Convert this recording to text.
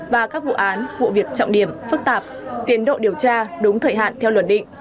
và các vụ án vụ việc trọng điểm phức tạp tiến độ điều tra đúng thời hạn theo luật định